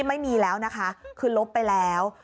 ไม่มีแล้วนะคะคือลบไปแล้ว